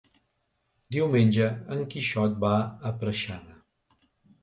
Diumenge en Quixot va a Preixana.